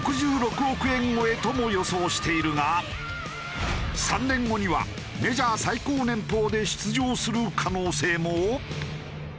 円超えとも予想しているが３年後にはメジャー最高年俸で出場する可能性も？